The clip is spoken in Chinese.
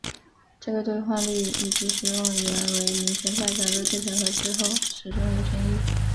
这个兑换率以及使用元为名称在改革之前和之后始终有争议。